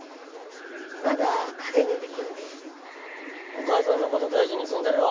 お母さんのこと大事にすんだよ。